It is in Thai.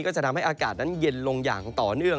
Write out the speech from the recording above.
ก็จะทำให้อากาศนั้นเย็นลงอย่างต่อเนื่อง